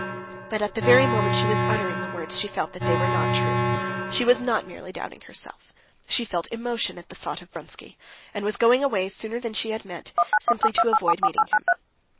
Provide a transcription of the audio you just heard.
But at the very moment she was uttering the words, she felt that they were not true. She was not merely doubting herself, she felt emotion at the thought of Vronsky, and was going away sooner than she had meant, simply to avoid meeting him.